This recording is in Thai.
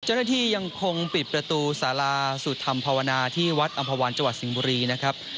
เจ้าหน้าที่ยังคงปิดประตูศาลาสูตรธรรมภาวนาที่วัดอำภาวัลจัวร์สิงห์บุรีนะครับ